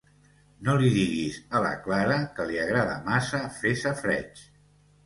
No li diguis a la Clara, que li agrada massa fer safareig.